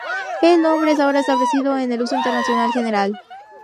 El nombre es ahora el establecido en el uso internacional general.